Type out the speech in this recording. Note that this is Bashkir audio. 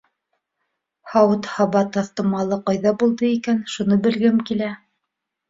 Һауыт-һаба таҫтамалы ҡайҙа булды икән, шуны белгем килә